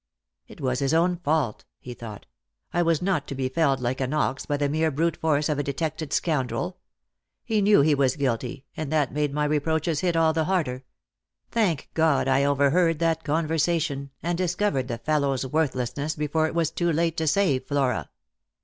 " It was his own fault," he thought. " I was not to be felled like an ox by the mere brute force of a detected scoundrel. He knew he was guilty, and that made my reproaches hit all the harder. Thank God I overheard that conversation, and dis covered the fellow's worthlessness before it was too late to save Flora